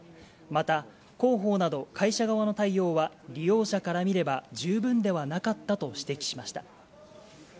また、広報など会社側の対応は、利用者から見れば十分ではなかったと指摘しました。